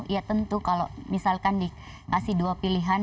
ya tentu kalau misalkan dikasih dua pilihan